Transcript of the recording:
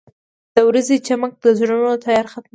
• د ورځې چمک د زړونو تیاره ختموي.